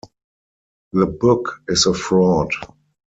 The book is a fraud.